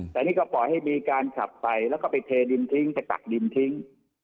แต่นี่ก็ปล่อยให้มีการขับไปแล้วก็ไปเทดินทิ้งจะกักดินทิ้ง